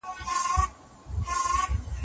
کړ، او دوې پېړۍ یې واکمني پر وکړه. نن، له اوه اویا